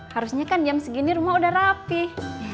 harusnya kan jam segini rumah udah rapih